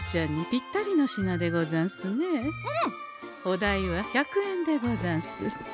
お代は１００円でござんす。